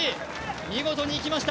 見事にいきました。